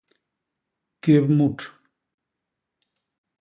Kép mut;